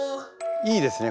いいですね